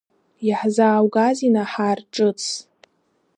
Иаҳзааугазеи, Наҳар, ҿыцс?